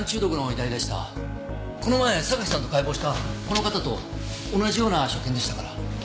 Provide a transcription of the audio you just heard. この前榊さんと解剖したこの方と同じような所見でしたから。